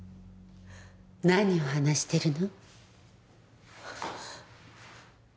何を話してるの？